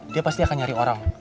dia pasti akan nyari orang